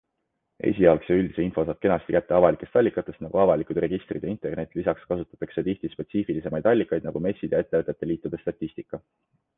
Esialgse ja üldise info saab kenasti kätte avalikest allikatest nagu avalikud registrid ja internet, lisaks kasutatakse tihti spetsiifilisemaid allikaid nagu messid ja ettevõtete liitude statistika.